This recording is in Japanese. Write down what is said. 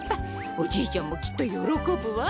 おじいちゃんもきっとよろこぶわ。